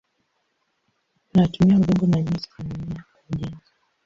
Wanatumia udongo na nyuzi za mimea kwa ujenzi.